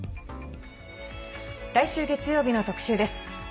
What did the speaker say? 来週月曜日の特集です。